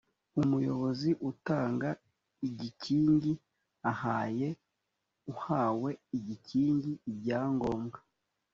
umuyobozi utanga igikingi, ahaye uhawe igikingi ibyangombwa